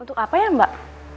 untuk apa ya mbak